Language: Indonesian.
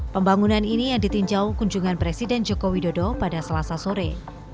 pembangunan ini yang ditinjau kunjungan presiden joko widodo pada selasa sore